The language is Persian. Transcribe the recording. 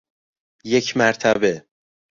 یک مرتبه